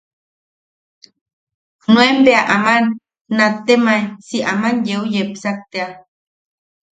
Nuen bea ama nattemae si aman yeu yepsak tea.